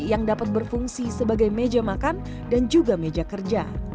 yang dapat berfungsi sebagai meja makan dan juga meja kerja